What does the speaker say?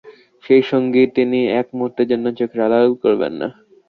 সেই সঙ্গী তিনি এক মুহূর্তের জন্যেও চোখের আড়াল করবেন না।